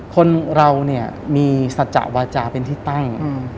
คนเราเนี่ยมีสัจจะวาจาเป็นที่ตั้ง